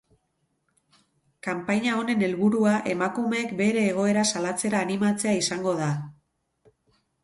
Kanpaina honen helburua emakumeek bere egoera salatzera animatzea izango da.